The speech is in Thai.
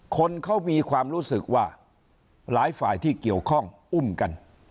คนเขามีความรู้สึกว่าหลายฝ่ายที่เกี่ยวข้องอุ้มกัน